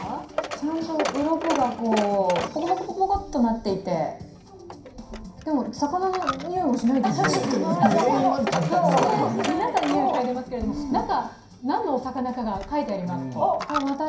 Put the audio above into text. ちゃんとうろこがポコポコポコッとなっていて、でも魚のにおいもしないですし皆さん、においかいでますけど、中に何のお魚かが書いてあります。